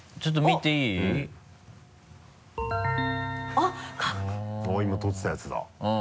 あっ今撮ってたやつだ。